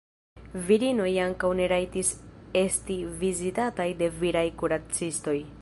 Virinoj ankaŭ ne rajtis esti vizitataj de viraj kuracistoj.